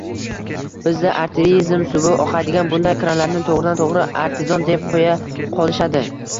Bizda artezian suvi oqadigan bunday kranlarni toʻgʻridan toʻgʻri “artizon” deb qoʻya qolishadi.